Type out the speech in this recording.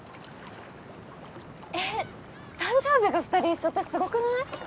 えっ誕生日が２人一緒ってすごくない！？